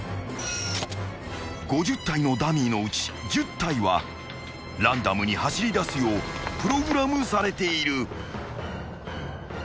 ［５０体のダミーのうち１０体はランダムに走りだすようプログラムされている］